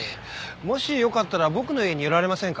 もしよかったら僕の家に寄られませんか？